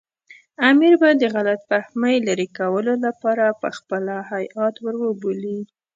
امیر به د غلط فهمۍ لرې کولو لپاره پخپله هیات ور وبولي.